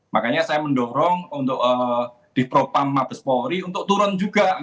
makanya saya mendorong untuk di propam mabes polri untuk turun juga